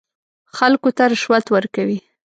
خلکو ته رشوت ورکوي.